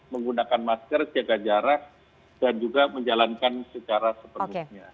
menggunakan masker jaga jarak dan juga menjalankan secara sepenuhnya